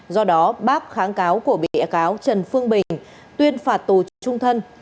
do đó bác kháng cáo của bị cáo trần phương bình tuyên phạt tù trung thân